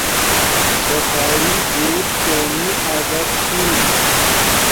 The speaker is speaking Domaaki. صفایݵ بوت شونی عادت چھی